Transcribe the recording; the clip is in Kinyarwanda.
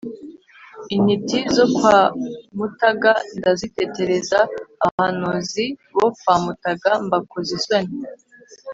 Intiti zo kwa Mutaga ndazitetereza abahanuzi bo kwa Mutaga mbakoza isoni